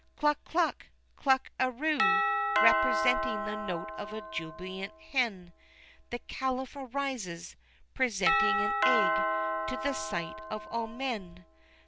"Cluck, cluck, cluck aroo!" representing the note of a jubilant hen, The Caliph arises, presenting an egg, to the sight of all men.